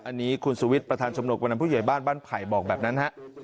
อันนี้คุณสุวิทย์ประธานชมหกวันนั้นผู้ใหญ่บ้านบ้านไผ่บอกแบบนั้นฮะ